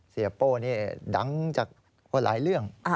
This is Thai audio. เสียโป้เนี่ยดังจากหลายเรื่อง